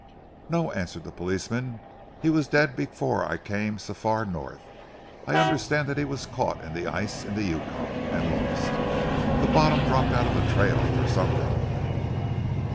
"No!" answered the policeman. "He was dead before I came so far North. I understand that he was caught in the ice in the Yukon and lost. The bottom dropped out of the trail or something."